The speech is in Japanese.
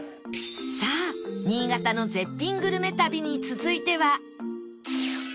さあ新潟の絶品グルメ旅に続いては